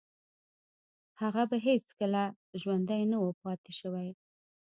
هغه به هیڅکله ژوندی نه و پاتې شوی